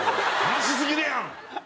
悲しすぎるやん！